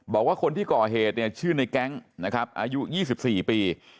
บอกว่าคนที่ก่อเหตุเนี่ยชื่อในแก๊งนะครับอายุ๒๔ปี